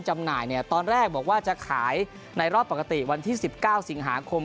จำหน่ายเนี่ยตอนแรกบอกว่าจะขายในรอบปกติวันที่๑๙สิงหาคม